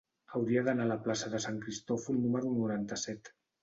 Hauria d'anar a la plaça de Sant Cristòfol número noranta-set.